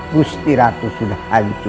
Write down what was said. gusti ratu sudah hancur